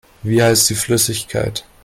Wie heißt die Flüssigkeit?